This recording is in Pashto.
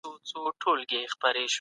په جګړه کي څوک لومړی وژل کیږي؟